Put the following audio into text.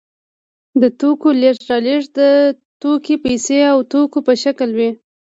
د توکو لېږد رالېږد د توکي پیسې او توکي په شکل وي